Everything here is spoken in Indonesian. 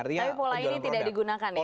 tapi pola ini tidak digunakan ya